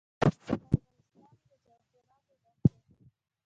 افغانستان له جواهرات ډک دی.